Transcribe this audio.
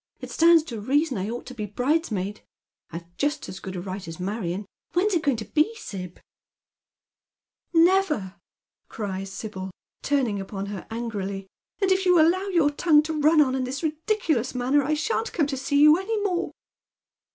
It stands to reason I ought to be bridesmaid ; I've just as good a right aa Marion. ^Vhen is it going to be, Sib ?"" Never," cries Sibyl, turning upon her angrily ;" and if j'ou allow your tongue to run on in this ridiculous manner I shan't come to see you any more."